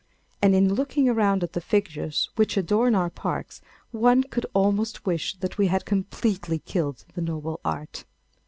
And, in looking around at the figures which adorn our parks, one could almost wish that we had completely killed the noble art.